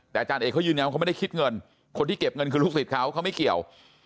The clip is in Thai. แต่อาจารย์เอกเขายืนยันว่าเขาไม่ได้คิดเงินคนที่เก็บเงินคือลูกศิษย์เขาเขาไม่เกี่ยว